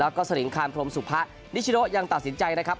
แล้วก็สลิงคานพรมสุพะนิชโนยังตัดสินใจนะครับ